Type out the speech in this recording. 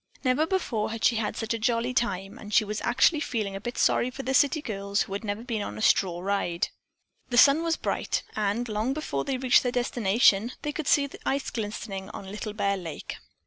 Never before had she had such a jolly time, and she was actually feeling a bit sorry for the city girls who had never been on a straw ride. The sun was bright, and long before they reached their destination they could see the ice glistening on Little Bear Lake.